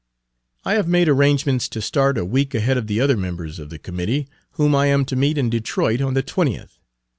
I have made arrangements to start a week ahead of the other members of the committee, whom I am to meet in Detroit on the 20th.